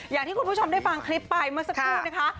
อย่างที่คุณผู้ชมได้ฟังคลิปไปเมื่อสักครู่นะคะ